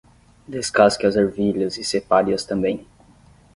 Descasque as ervilhas e separe-as também.